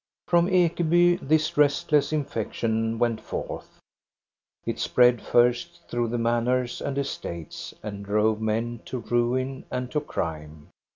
From Ekeby this restless infection went forth ; it spread first through the manors and estates, and drove men to ruin and to crime.